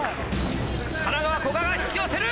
神奈川古賀が引き寄せる！